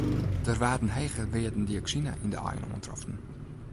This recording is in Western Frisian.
Der waarden hege wearden dioksine yn de aaien oantroffen.